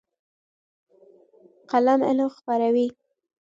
قلم علم خپروي.